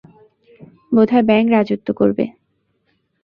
বোধহয় ব্যাঙ রাজত্ব করবে।